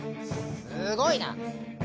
すごいな。